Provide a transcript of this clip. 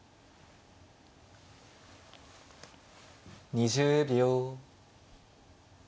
２０秒。